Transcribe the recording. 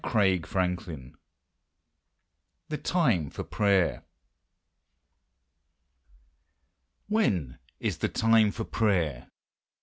THE TIME FOR PRAYER. When is the time for prayer?